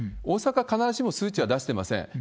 大阪、必ずしも数値は出してません。